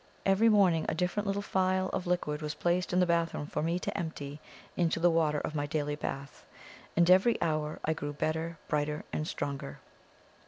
Every morning a different little phial of liquid was placed in the bathroom for me to empty into the water of my daily bath, and every hour I grew better, brighter, and stronger.